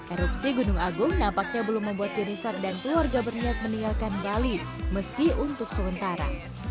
erupsi gunung agung nampaknya belum membuat jennifer dan keluarga berniat meninggalkan bali meski untuk sementara